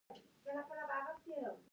دا د دوامداره سټرېس له وجې کميږي